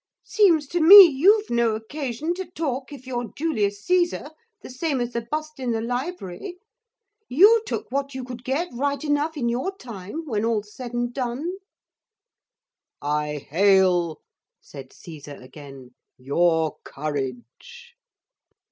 Seems to me you've no occasion to talk if you're Julius Caesar, the same as the bust in the library. You took what you could get right enough in your time, when all's said and done.' 'I hail,' said Caesar again, 'your courage.'